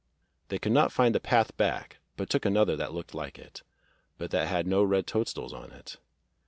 They could not find the path back, but took another that looked like it, but that had no red toadstools on it.